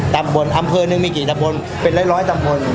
ตำบลอำเภอหนึ่งมีกี่ตำบลเป็นร้อยตำบล